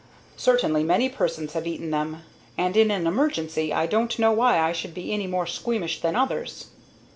Certainly many persons have eaten them, and in an emergency I don't know why I should be any more squeamish than others.